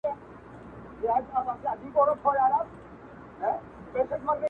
دې لېوني لمر ته چي زړه په سېپاره کي کيښود,